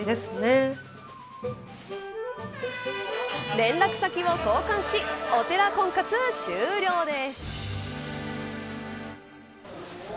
連絡先を交換しお寺婚活終了です。